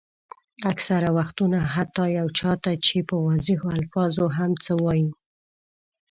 اکثره وختونه حتیٰ یو چا ته چې په واضحو الفاظو هم څه وایئ.